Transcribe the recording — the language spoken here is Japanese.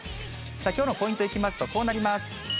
さあ、きょうのポイントいきますと、こうなります。